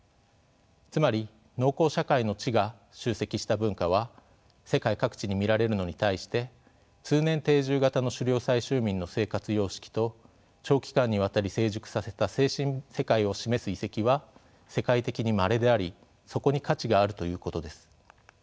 つまり農耕社会の知が集積した文化は世界各地に見られるのに対して通年定住型の狩猟採集民の生活様式と長期間にわたり成熟させた精神世界を示す遺跡は世界的にまれでありそこに価値があるということです。